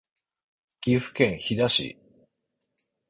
岐阜県飛騨市